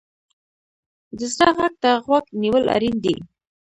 د زړه غږ ته غوږ نیول اړین دي.